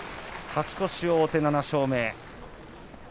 勝ち越し王手、７勝目。